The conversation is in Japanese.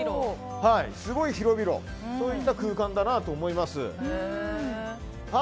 すごい広々といった空間だなと思います。